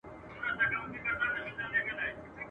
چا بیرغ په سرو منګولو کي واخیست؟